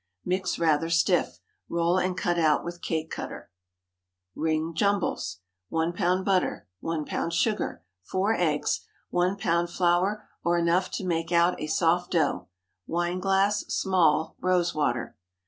Mix rather stiff. Roll and cut out with a cake cutter. RING JUMBLES. 1 lb. butter. 1 lb. sugar. 4 eggs. 1 lb. flour, or enough to make out a soft dough. Wineglass (small) rose water.